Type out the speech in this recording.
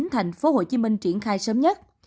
thành phố hồ chí minh triển khai sớm nhất